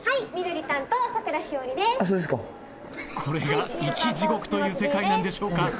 これが生き地獄という世界なんでしょうか。